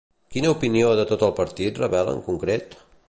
Quina opinió de tot el partit revela en concret?